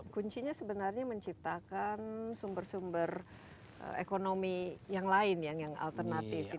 kuncinya sebenarnya menciptakan sumber sumber ekonomi yang lain yang alternatif